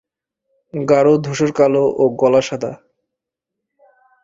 ঘাড় ধূসর-কালো ও গলা সাদা।